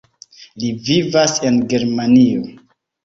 Li vivas en Germanio.